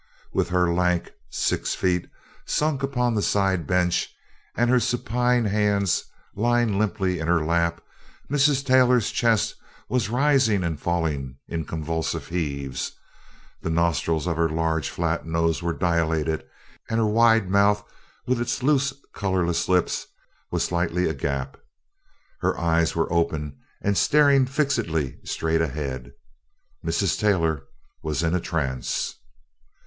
With her lank six feet sunk upon the side bench and her supine hands lying limply in her lap, Mrs. Taylor's chest was rising and falling in convulsive heaves; the nostrils of her large flat nose were dilated, and her wide mouth, with its loose colorless lips, was slightly agape. Her eyes were open and staring fixedly straight ahead. Mrs. Taylor was in a trance.